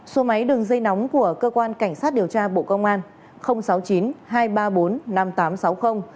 số máy đường dây nóng của cơ quan cảnh sát điều tra bộ công an